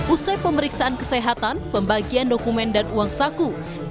usai pemeriksaan kesehatan pembagian dokumen dan uang saku